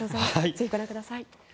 ぜひご覧ください。